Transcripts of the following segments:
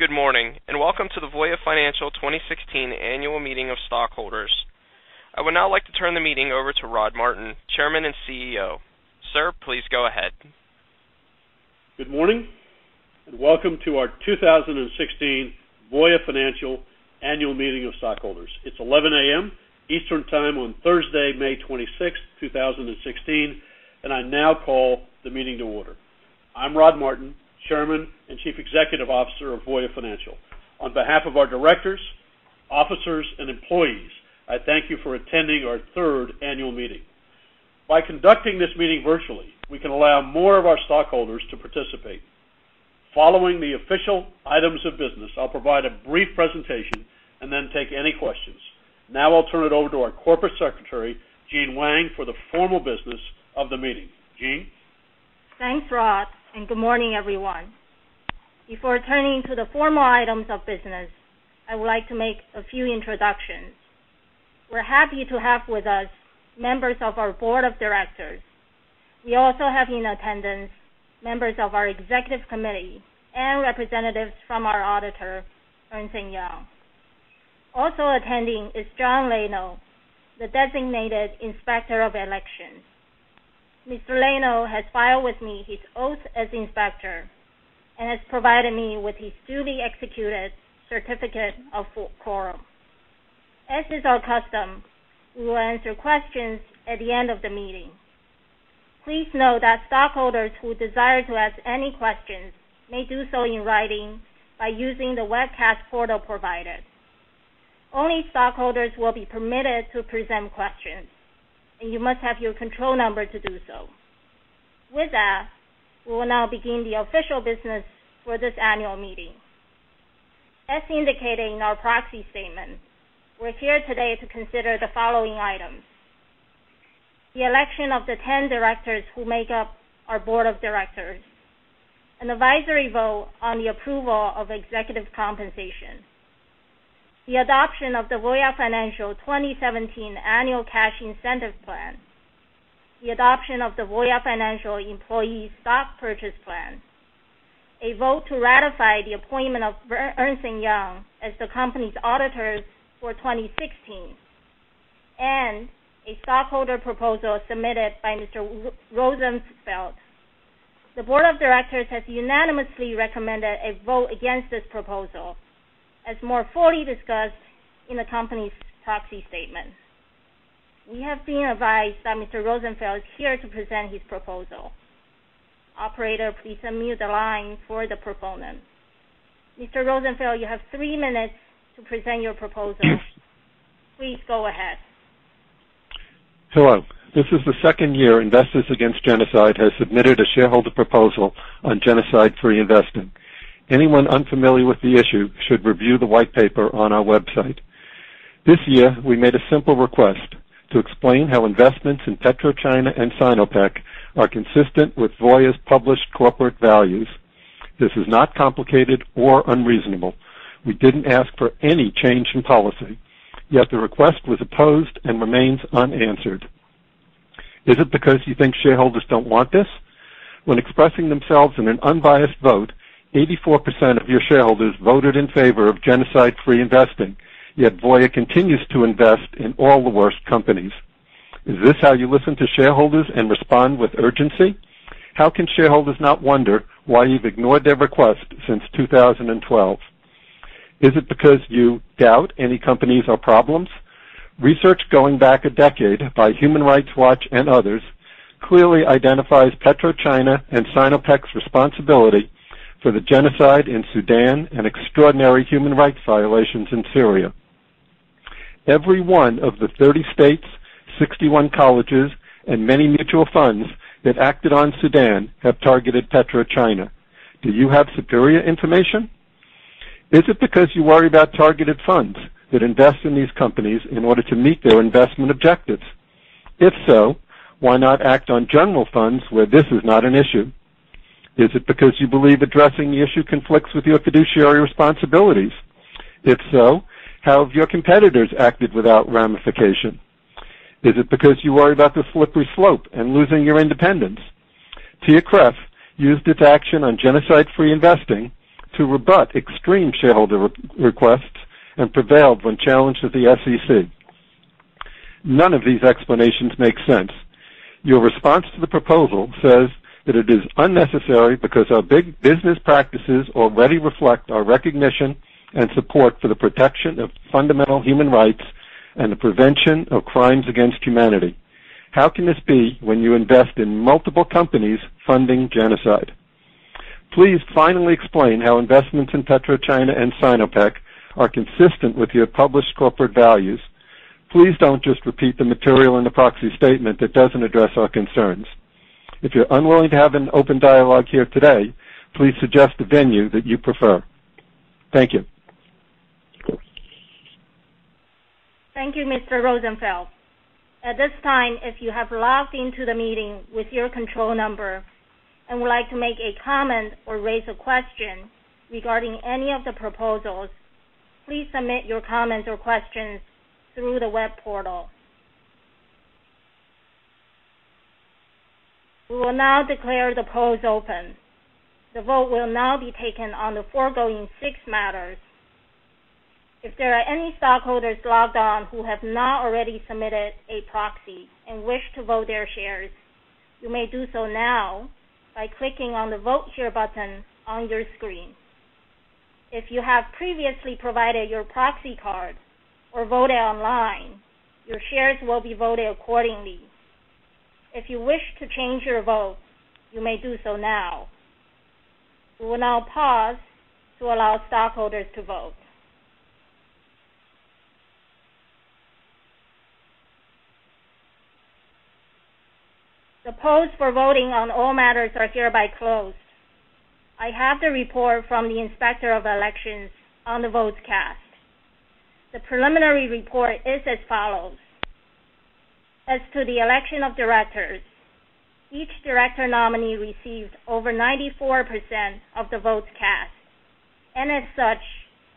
Good morning, and welcome to the Voya Financial 2016 Annual Meeting of Stockholders. I would now like to turn the meeting over to Rod Martin, Chairman and CEO. Sir, please go ahead. Good morning, and welcome to our 2016 Voya Financial Annual Meeting of Stockholders. It's 11:00 A.M. Eastern Time on Thursday, May 26, 2016. I now call the meeting to order. I'm Rod Martin, Chairman and Chief Executive Officer of Voya Financial. On behalf of our directors, officers, and employees, I thank you for attending our third annual meeting. By conducting this meeting virtually, we can allow more of our stockholders to participate. Following the official items of business, I'll provide a brief presentation and then take any questions. I'll turn it over to our Corporate Secretary, Jing Weng, for the formal business of the meeting. Jing? Thanks, Rod. Good morning, everyone. Before turning to the formal items of business, I would like to make a few introductions. We're happy to have with us members of our board of directors. We also have in attendance members of our executive committee and representatives from our auditor, Ernst & Young. Also attending is John Laino, the designated Inspector of Election. Mr. Laino has filed with me his oath as inspector and has provided me with his duly executed certificate of quorum. As is our custom, we will answer questions at the end of the meeting. Please know that stockholders who desire to ask any questions may do so in writing by using the webcast portal provided. Only stockholders will be permitted to present questions. You must have your control number to do so. We will now begin the official business for this annual meeting. As indicated in our proxy statement, we're here today to consider the following items: the election of the 10 directors who make up our board of directors, an advisory vote on the approval of executive compensation, the adoption of the Voya Financial 2017 Annual Cash Incentive Plan, the adoption of the Voya Financial Employee Stock Purchase Plan, a vote to ratify the appointment of Ernst & Young as the company's auditors for 2016, a stockholder proposal submitted by Mr. Rosenfeld. The board of directors has unanimously recommended a vote against this proposal, as more fully discussed in the company's proxy statement. We have been advised that Mr. Rosenfeld is here to present his proposal. Operator, please unmute the line for the proponent. Mr. Rosenfeld, you have three minutes to present your proposal. Please go ahead. Hello. This is the second year Investors Against Genocide has submitted a shareholder proposal on genocide-free investing. Anyone unfamiliar with the issue should review the white paper on our website. This year, we made a simple request to explain how investments in PetroChina and Sinopec are consistent with Voya's published corporate values. This is not complicated or unreasonable. We didn't ask for any change in policy, yet the request was opposed and remains unanswered. Is it because you think shareholders don't want this? When expressing themselves in an unbiased vote, 84% of your shareholders voted in favor of genocide-free investing, yet Voya continues to invest in all the worst companies. Is this how you listen to shareholders and respond with urgency? How can shareholders not wonder why you've ignored their request since 2012? Is it because you doubt any companies are problems? Research going back a decade by Human Rights Watch and others clearly identifies PetroChina and Sinopec's responsibility for the genocide in Sudan and extraordinary human rights violations in Syria. Every one of the 30 states, 61 colleges, and many mutual funds that acted on Sudan have targeted PetroChina. Do you have superior information? Is it because you worry about targeted funds that invest in these companies in order to meet their investment objectives? If so, why not act on general funds where this is not an issue? Is it because you believe addressing the issue conflicts with your fiduciary responsibilities? If so, how have your competitors acted without ramification? Is it because you worry about the slippery slope and losing your independence? TIAA-CREF used its action on genocide-free investing to rebut extreme shareholder requests and prevailed when challenged at the SEC. None of these explanations make sense. Your response to the proposal says that it is unnecessary because our big business practices already reflect our recognition and support for the protection of fundamental human rights and the prevention of crimes against humanity. How can this be when you invest in multiple companies funding genocide? Please finally explain how investments in PetroChina and Sinopec are consistent with your published corporate values. Please don't just repeat the material in the proxy statement that doesn't address our concerns. If you're unwilling to have an open dialogue here today, please suggest a venue that you prefer. Thank you. Thank you, Mr. Rosenfeld. At this time, if you have logged into the meeting with your control number and would like to make a comment or raise a question regarding any of the proposals, please submit your comments or questions through the web portal. We will now declare the polls open. The vote will now be taken on the foregoing six matters. If there are any stockholders logged on who have not already submitted a proxy and wish to vote their shares, you may do so now by clicking on the Vote Here button on your screen. If you have previously provided your proxy card or voted online, your shares will be voted accordingly. If you wish to change your vote, you may do so now. We will now pause to allow stockholders to vote. The polls for voting on all matters are hereby closed. I have the report from the Inspector of Election on the votes cast. The preliminary report is as follows. As to the election of directors, each director nominee received over 94% of the votes cast, and as such,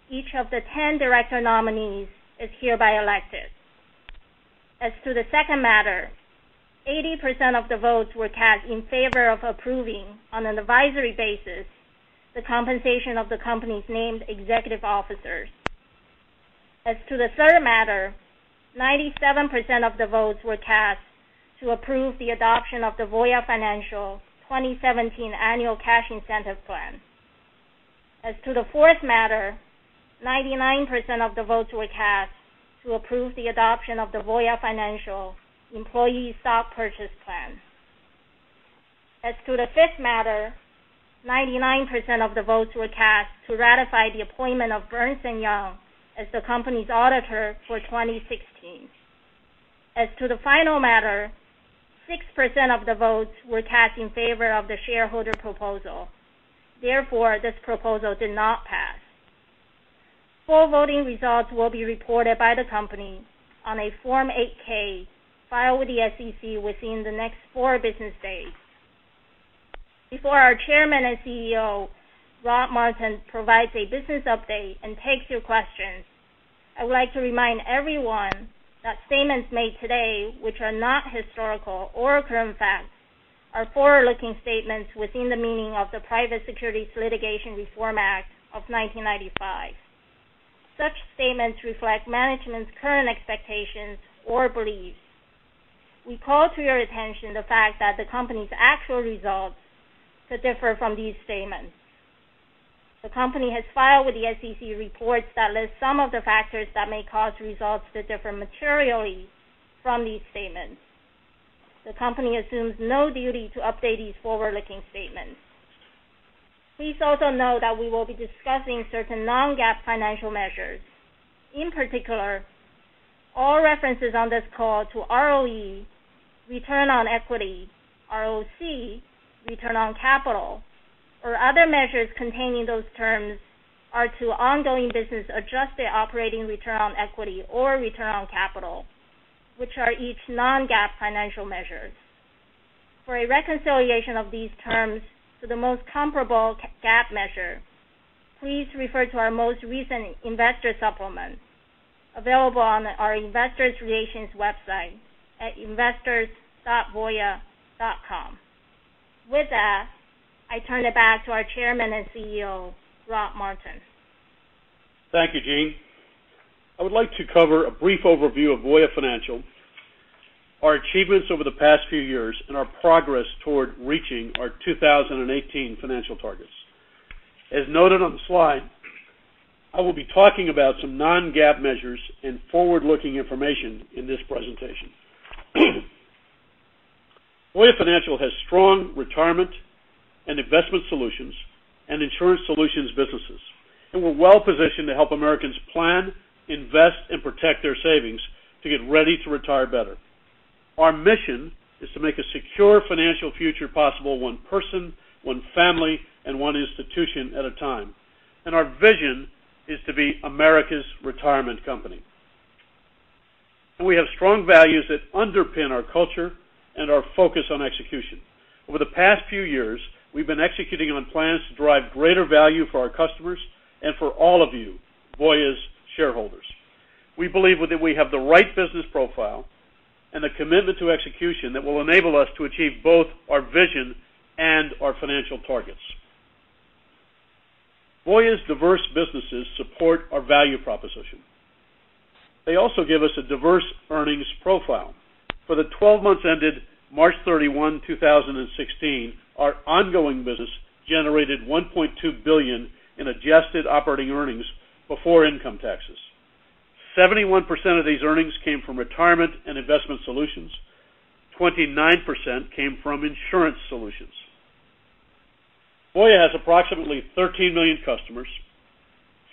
each of the 10 director nominees is hereby elected. As to the second matter, 80% of the votes were cast in favor of approving, on an advisory basis, the compensation of the company's named executive officers. As to the third matter, 97% of the votes were cast to approve the adoption of the Voya Financial 2017 Annual Cash Incentive Plan. As to the fourth matter, 99% of the votes were cast to approve the adoption of the Voya Financial Employee Stock Purchase Plan. As to the fifth matter, 99% of the votes were cast to ratify the appointment of Ernst & Young as the company's auditor for 2016. As to the final matter, 6% of the votes were cast in favor of the shareholder proposal. Therefore, this proposal did not pass. Full voting results will be reported by the company on a Form 8-K filed with the SEC within the next four business days. Before our Chairman and CEO, Rod Martin, provides a business update and takes your questions, I would like to remind everyone that statements made today, which are not historical or current facts, are forward-looking statements within the meaning of the Private Securities Litigation Reform Act of 1995. Such statements reflect management's current expectations or beliefs. We call to your attention the fact that the company's actual results could differ from these statements. The company has filed with the SEC reports that list some of the factors that may cause results to differ materially from these statements. The company assumes no duty to update these forward-looking statements. Please also know that we will be discussing certain non-GAAP financial measures. In particular, all references on this call to ROE, return on equity, ROC, return on capital, or other measures containing those terms are to ongoing business adjusted operating return on equity or return on capital, which are each non-GAAP financial measures. For a reconciliation of these terms to the most comparable GAAP measure, please refer to our most recent investor supplement available on our investor relations website at investors.voya.com. With that, I turn it back to our Chairman and CEO, Rod Martin. Thank you, Jing. I would like to cover a brief overview of Voya Financial, our achievements over the past few years, and our progress toward reaching our 2018 financial targets. As noted on the slide, I will be talking about some non-GAAP measures and forward-looking information in this presentation. Voya Financial has strong retirement and investment solutions and insurance solutions businesses, and we're well-positioned to help Americans plan, invest, and protect their savings to get ready to retire better. Our mission is to make a secure financial future possible, one person, one family, and one institution at a time. Our vision is to be America's retirement company. We have strong values that underpin our culture and our focus on execution. Over the past few years, we've been executing on plans to drive greater value for our customers and for all of you, Voya's shareholders. We believe that we have the right business profile and the commitment to execution that will enable us to achieve both our vision and our financial targets. Voya's diverse businesses support our value proposition. They also give us a diverse earnings profile. For the 12 months ended March 31, 2016, our ongoing business generated $1.2 billion in adjusted operating earnings before income taxes. 71% of these earnings came from retirement and investment solutions, 29% came from insurance solutions. Voya has approximately 13 million customers,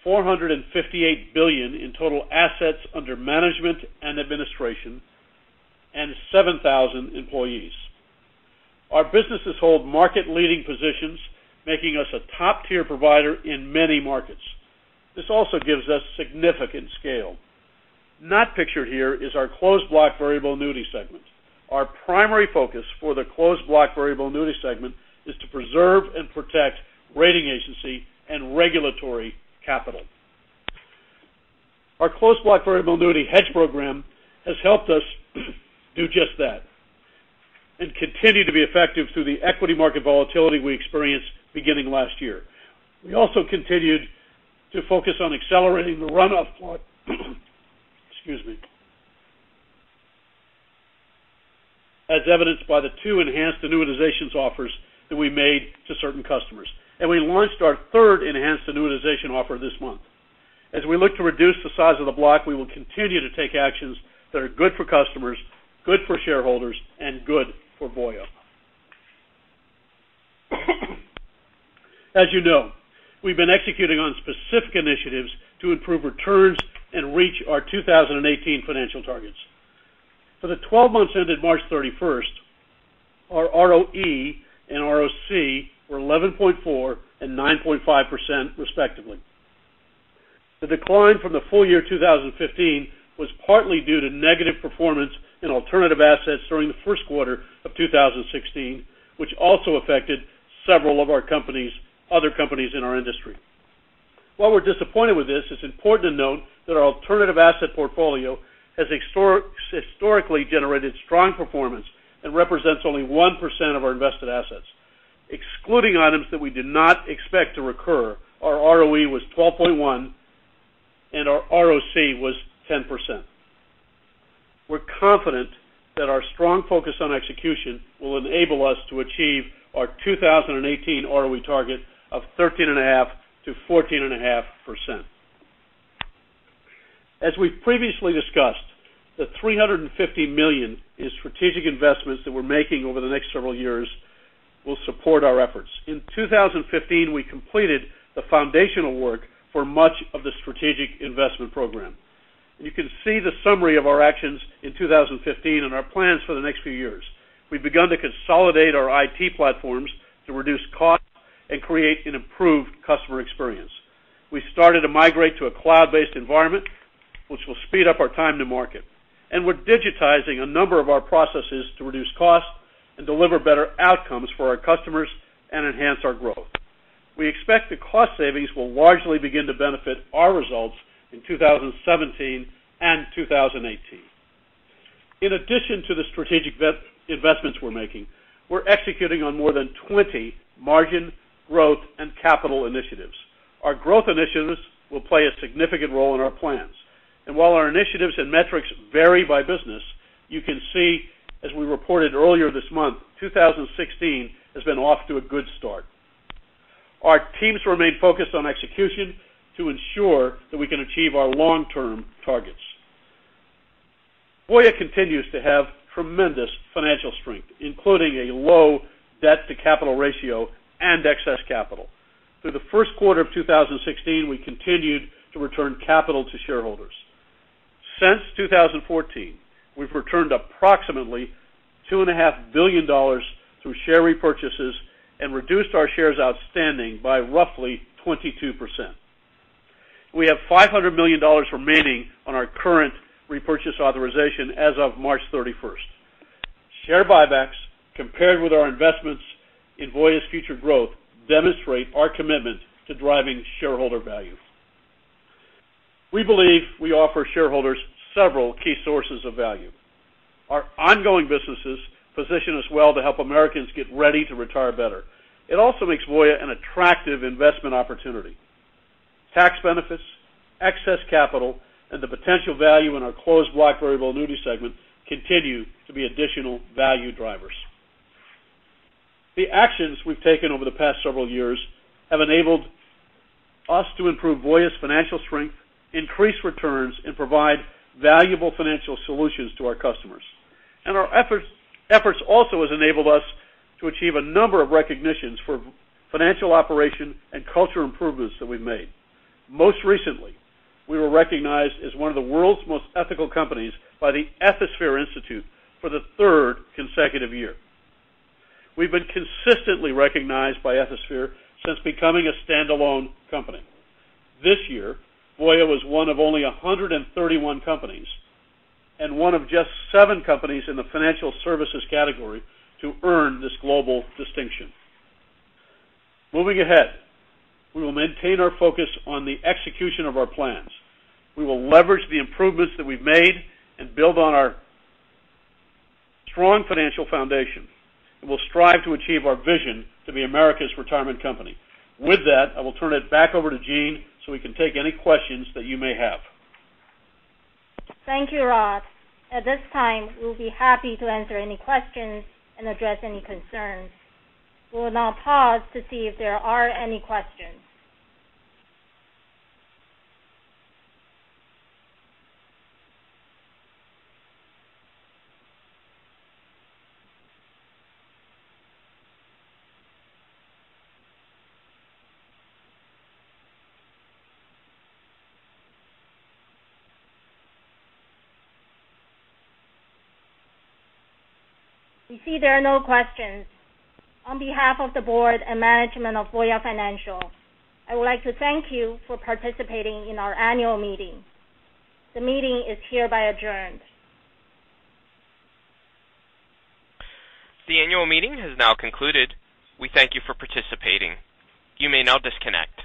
$458 billion in total assets under management and administration, and 7,000 employees. Our businesses hold market-leading positions, making us a top-tier provider in many markets. This also gives us significant scale. Not pictured here is our Closed Block Variable Annuity segment. Our primary focus for the Closed Block Variable Annuity segment is to preserve and protect rating agency and regulatory capital. Our Closed Block Variable Annuity hedge program has helped us do just that and continue to be effective through the equity market volatility we experienced beginning last year. We also continued to focus on accelerating the run-off block, excuse me. As evidenced by the two enhanced annuitization offers that we made to certain customers, and we launched our third enhanced annuitization offer this month. As we look to reduce the size of the block, we will continue to take actions that are good for customers, good for shareholders, and good for Voya. As you know, we've been executing on specific initiatives to improve returns and reach our 2018 financial targets. For the 12 months ended March 31, our ROE and ROC were 11.4% and 9.5%, respectively. The decline from the full year 2015 was partly due to negative performance in alternative assets during the first quarter of 2016, which also affected several of other companies in our industry. While we're disappointed with this, it's important to note that our alternative asset portfolio has historically generated strong performance and represents only 1% of our invested assets. Excluding items that we did not expect to recur, our ROE was 12.1% and our ROC was 10%. We're confident that our strong focus on execution will enable us to achieve our 2018 ROE target of 13.5%-14.5%. As we've previously discussed, the $350 million in strategic investments that we're making over the next several years will support our efforts. In 2015, we completed the foundational work for much of the strategic investment program. You can see the summary of our actions in 2015 and our plans for the next few years. We've begun to consolidate our IT platforms to reduce costs and create an improved customer experience. We've started to migrate to a cloud-based environment, which will speed up our time to market, and we're digitizing a number of our processes to reduce costs and deliver better outcomes for our customers and enhance our growth. We expect the cost savings will largely begin to benefit our results in 2017 and 2018. In addition to the strategic investments we're making, we're executing on more than 20 margin growth and capital initiatives. While our initiatives and metrics vary by business, you can see, as we reported earlier this month, 2016 has been off to a good start. Our teams remain focused on execution to ensure that we can achieve our long-term targets. Voya continues to have tremendous financial strength, including a low debt-to-capital ratio and excess capital. Through the first quarter of 2016, we continued to return capital to shareholders. Since 2014, we've returned approximately $2.5 billion through share repurchases and reduced our shares outstanding by roughly 22%. We have $500 million remaining on our current repurchase authorization as of March 31st. Share buybacks, compared with our investments in Voya's future growth, demonstrate our commitment to driving shareholder value. We believe we offer shareholders several key sources of value. Our ongoing businesses position us well to help Americans get ready to retire better. It also makes Voya an attractive investment opportunity. Tax benefits, excess capital, and the potential value in our Closed Block Variable Annuity segment continue to be additional value drivers. The actions we've taken over the past several years have enabled us to improve Voya's financial strength, increase returns, and provide valuable financial solutions to our customers. Our efforts also has enabled us to achieve a number of recognitions for financial operation and cultural improvements that we've made. Most recently, we were recognized as one of the world's most ethical companies by the Ethisphere Institute for the third consecutive year. We've been consistently recognized by Ethisphere since becoming a standalone company. This year, Voya was one of only 131 companies and one of just seven companies in the financial services category to earn this global distinction. Moving ahead, we will maintain our focus on the execution of our plans. We will leverage the improvements that we've made and build on our strong financial foundation. We'll strive to achieve our vision to be America's retirement company. With that, I will turn it back over to Jing so we can take any questions that you may have. Thank you, Rod. At this time, we'll be happy to answer any questions and address any concerns. We will now pause to see if there are any questions. We see there are no questions. On behalf of the board and management of Voya Financial, I would like to thank you for participating in our annual meeting. The meeting is hereby adjourned. The annual meeting has now concluded. We thank you for participating. You may now disconnect.